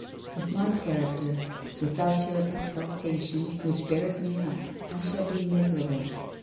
With my character, without your exaltation which bears you up, I shall be miserable.